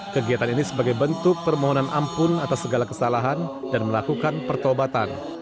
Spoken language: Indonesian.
kegiatan ini sebagai bentuk permohonan ampun atas segala kesalahan dan melakukan pertobatan